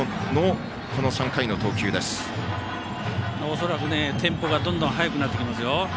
恐らく、テンポがどんどん早くなってきますよ。